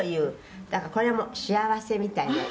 「だからこれも“幸せ”みたいなちょっと」